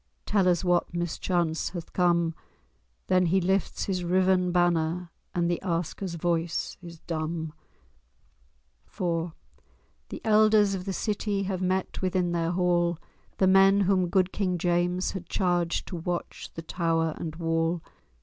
Tell us what mischance hath come." Then he lifts his riven banner, And the asker's voice is dumb. [Illustration: "Tell us all—oh, tell us true!"] IV The elders of the city Have met within their hall— The men whom good King James had charged To watch the tower and wall.